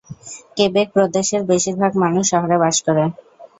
Quebec প্রদেশের বেশিরভাগ মানুষ শহরে বাস করে।